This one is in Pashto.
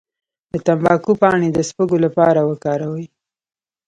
د تمباکو پاڼې د سپږو لپاره وکاروئ